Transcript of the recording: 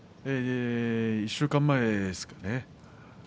１週間前ですかね。